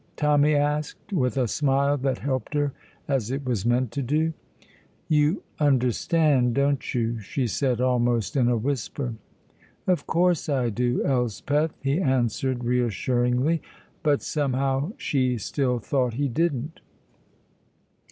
Tommy asked, with a smile that helped her, as it was meant to do. "You understand, don't you?" she said, almost in a whisper. "Of course I do, Elspeth," he answered reassuringly; but somehow she still thought he didn't.